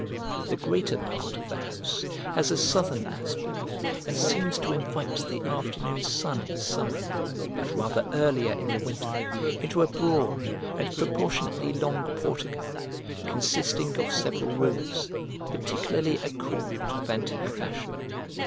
The greater part of the house has a southern aspect, and seems to invite the afternoon sun in summer (but rather earlier in the winter) into a broad and proportionately long portico, consisting of several rooms, particularly a court of antique fashion.